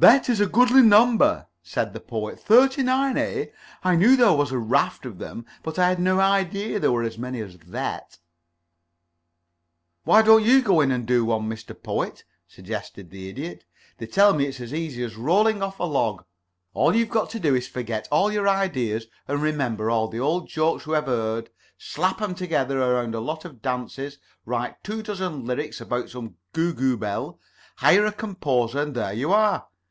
"That is a goodly number," said the Poet. "Thirty nine, eh? I knew there was a raft of them, but I had no idea there were as many as that." "Why don't you go in and do one, Mr. Poet?" suggested the Idiot. "They tell me it's as easy as rolling off a log. All you've got to do is to forget all your ideas and remember all the old jokes you ever heard, slap 'em together around a lot of dances, write two dozen lyrics about some Googoo Belle, hire a composer, and there you are.